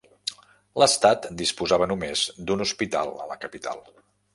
L'estat disposava només d'un hospital a la capital.